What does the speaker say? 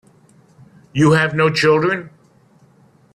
You have no children.